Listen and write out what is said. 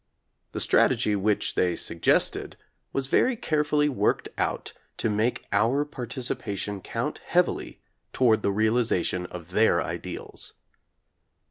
The strategy which they suggested was very carefully worked out to make our participa tion count heavily toward the realization of their ideals.